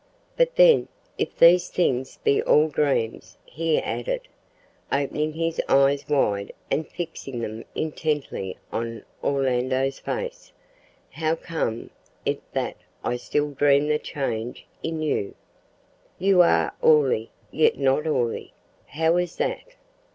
But then, if these things be all dreams," he added, opening his eyes wide and fixing them intently on Orlando's face, "how comes it that I still dream the change in you? You are Orley, yet not Orley! How is that?"